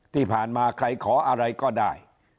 ที่ผ่านมาใครขออะไรก็ได้